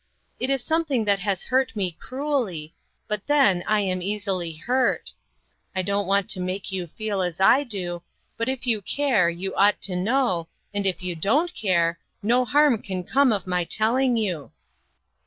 It is something that has hurt me cruelly, but then I am easily hurt. I don't want to make you feel as I do ; but if you care, you ought to know, and if you don't care, no harm can come of my telling you.